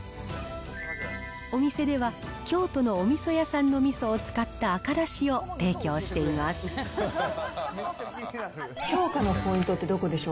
お店では京都のおみそ屋さんのみそを使った赤だしを提供していま評価のポイントってどこでし